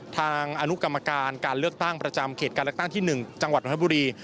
อนุกรรมการการเลือกตั้งประจำเขตการเลือกตั้งที่๑จังหวัดนทบุรี